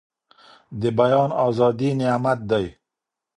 د بيان ازادي نعمت دی.